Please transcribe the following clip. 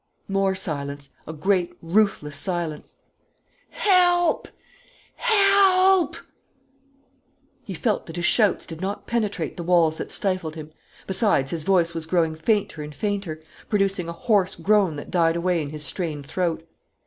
More silence a great, ruthless silence. "Help! Help!" He felt that his shouts did not penetrate the walls that stifled him. Besides, his voice was growing fainter and fainter, producing a hoarse groan that died away in his strained throat.